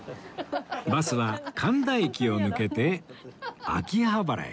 バスは神田駅を抜けて秋葉原へ